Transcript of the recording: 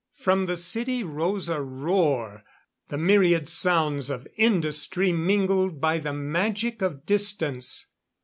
From the city rose a roar the myriad sounds of industry mingled by the magic of distance.